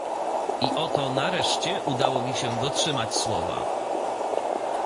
"I oto nareszcie udało mi się dotrzymać słowa."